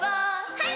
はい！